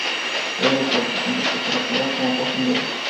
Puede recorrerse tanto por carretera como por sendero.